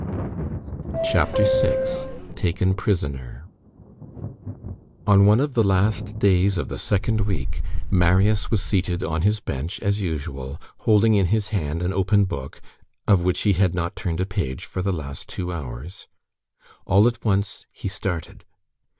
CHAPTER VI—TAKEN PRISONER On one of the last days of the second week, Marius was seated on his bench, as usual, holding in his hand an open book, of which he had not turned a page for the last two hours. All at once he started.